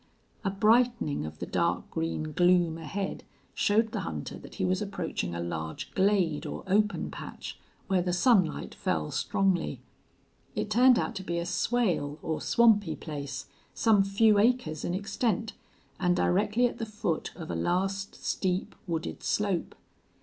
A brightening of the dark green gloom ahead showed the hunter that he was approaching a large glade or open patch, where the sunlight fell strongly. It turned out to be a swale, or swampy place, some few acres in extent, and directly at the foot of a last steep, wooded slope.